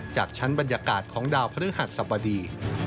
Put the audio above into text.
จากชั้นบรรยากาศของดาวพฤหัสสบดี